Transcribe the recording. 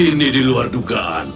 ini diluar dugaan